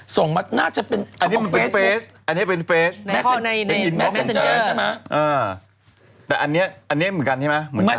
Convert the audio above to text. ส่งมาน่าจะเป็นคำพร้อมเฟซ